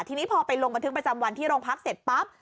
ทีนี้พอไปลงบันทึกประจำวันที่โรงพักเสร็จปั๊บ